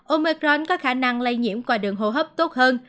omecron có khả năng lây nhiễm qua đường hô hấp tốt hơn